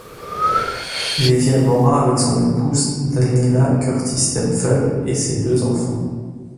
Il vit à Morat avec son épouse Daniela Curty-Stempfel et ses deux enfants.